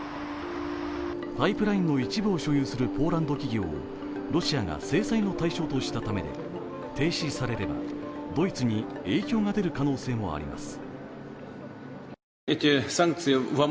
パイプラインの一部を所有するポーランド企業をロシアが制裁の対象としたためで、停止されればドイツに影響が出る可能性もあります。